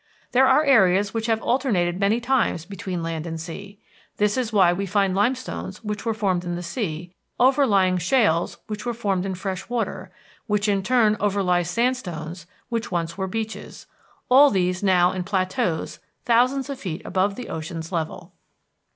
There are areas which have alternated many times between land and sea; this is why we find limestones which were formed in the sea overlying shales which were formed in fresh water, which in turn overlie sandstones which once were beaches all these now in plateaus thousands of feet above the ocean's level.